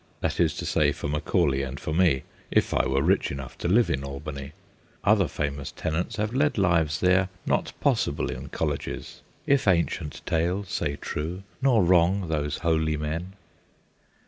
That is to say, for Macaulay and for me, if I were rich enough to live in Albany ; other famous tenants have led lives there not possible in colleges, ' If ancient tales say true nor wrong those holy men.